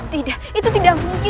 tidak itu tidak mungkin